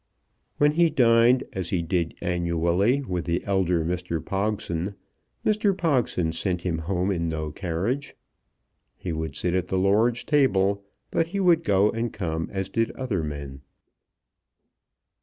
When he dined, as he did annually, with the elder Mr. Pogson, Mr. Pogson sent him home in no carriage. He would sit at the lord's table, but he would go and come as did other men.